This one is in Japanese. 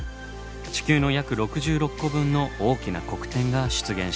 地球の約６６個分の大きな黒点が出現しました。